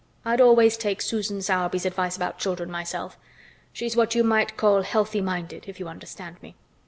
I'd always take Susan Sowerby's advice about children myself. She's what you might call healthy minded—if you understand me."